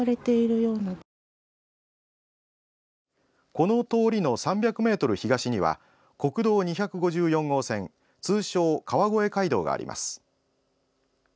この通りの３００ｍ東には国道２５４号線通称・川越街道があります。